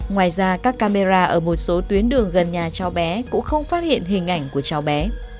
ngoài ra các camera ở một số tuyến đường gần nhà cháu bé cũng không phát hiện hình ảnh của cháu bé